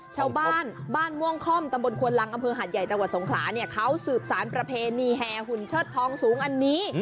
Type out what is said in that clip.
ชาวบ้านบ้านม่วงค่อมตำบลควนลังอำเภอหาดใหญ่จังหวัดสงขลาเนี่ยเขาสืบสารประเพณีแห่หุ่นเชิดทองสูงอันนี้